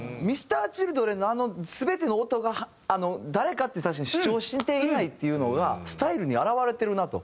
Ｍｒ．Ｃｈｉｌｄｒｅｎのあの全ての音が誰かって確かに主張していないっていうのがスタイルに表れてるなと。